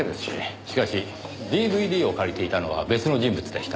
しかしＤＶＤを借りていたのは別の人物でした。